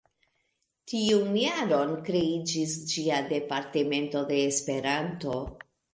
Tiun jaron kreiĝis ĝia Departemento de Esperanto.